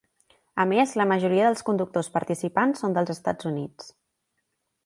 A més, la majoria dels conductors participants són dels EUA.